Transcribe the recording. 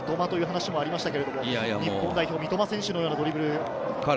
三笘という話もありましたけど、日本代表・三笘選手のようなドリブル。